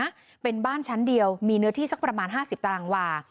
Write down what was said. นะเป็นบ้านชั้นเดียวมีเนื้อที่สักประมาณ๕๐ตารางวา